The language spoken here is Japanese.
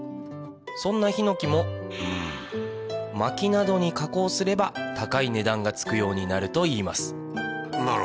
そんなヒノキも薪などに加工すれば高い値段がつくようになるといいます